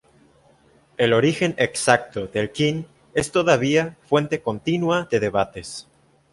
El origen exacto del qin es todavía fuente continua de debates.